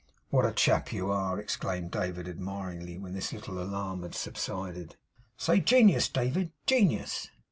'What a chap you are!' exclaimed David admiringly, when this little alarm had subsided. 'Say, genius, David, genius.